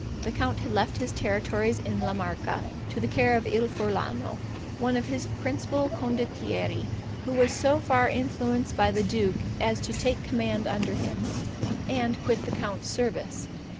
The count had left his territories in La Marca to the care of Il Furlano, one of his principal condottieri, who was so far influenced by the duke as to take command under him, and quit the count's service.